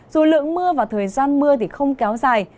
dù lượng mưa và thời gian mưa thì không kéo dài